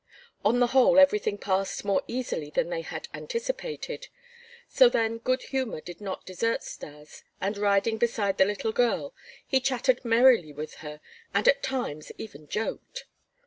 On the whole everything passed more easily than they had anticipated. So then good humor did not desert Stas, and, riding beside the little girl, he chattered merrily with her and at times even joked.